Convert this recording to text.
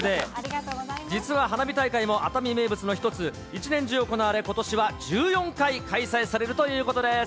実は花火大会も熱海名物の一つ、一年中行われ、ことしは１４回開催されるということです。